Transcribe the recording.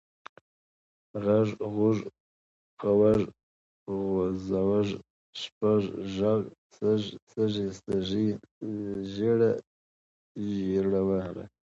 غږ، غوږ، خوَږ، ځوږ، شپږ، ږغ، سږ، سږی، سږي، ږېره، ږېروَر .